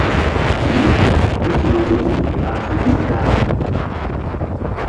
Mítúsa̧w woyri ɓa suki ta-a.